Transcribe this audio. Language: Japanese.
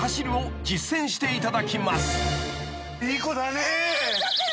いい子だね。